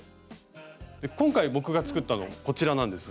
今回僕が作ったのこちらなんですが。